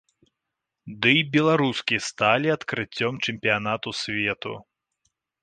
Дый беларускі сталі сталі адкрыццём чэмпіянату свету.